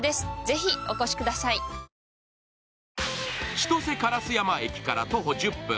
千歳烏山駅から徒歩１０分。